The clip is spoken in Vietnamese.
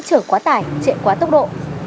chở quá tải chệ quá tốc độ